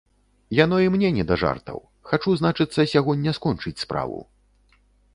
Яно і мне не да жартаў, хачу, значыцца, сягоння скончыць справу.